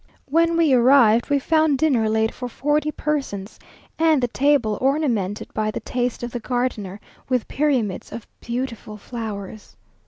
When we arrived, we found dinner laid for forty persons, and the table ornamented by the taste of the gardener, with pyramids of beautiful flowers.